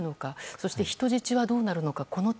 そして、人質はどうなるのか。